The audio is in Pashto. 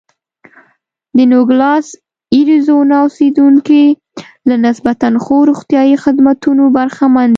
د نوګالس اریزونا اوسېدونکي له نسبتا ښو روغتیايي خدمتونو برخمن دي.